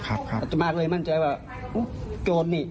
อาตมาก็เลยมั่นใจว่าโจรนี่